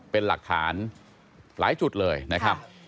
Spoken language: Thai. เป็นหลักฐานหลายจุดเลยนะครับ